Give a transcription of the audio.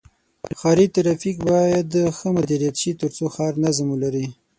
ښاري ترافیک باید ښه مدیریت شي تر څو ښار نظم ولري.